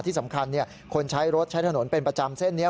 ที่สำคัญคนใช้รถใช้ถนนเป็นประจำเส้นนี้